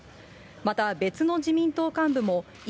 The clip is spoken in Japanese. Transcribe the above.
また、別の自民党幹部も、今、